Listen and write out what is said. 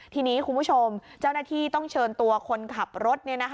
ทีนี้คุณผู้ชมเจ้าหน้าที่ต้องเชิญตัวคนขับรถ